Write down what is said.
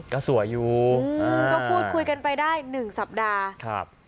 ก็สวยอยู่อืมก็พูดคุยกันไปได้หนึ่งสัปดาห์ครับ